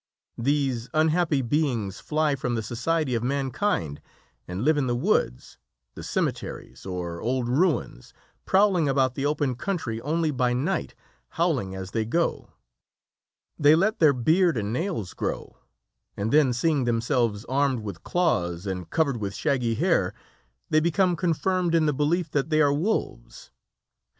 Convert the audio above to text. These unhappy beings fly from the society of mankind and live in the woods, the cemeteries, or old ruins, prowling about the open country only by night, howling as they go. They let their beard and nails grow, and then seeing themselves armed with claws and covered with shaggy hair, they become confirmed in the belief that they are wolves.